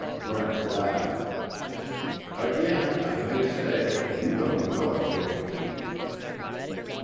Brent laughed: "Again, I may say, you don't know Joe Pete."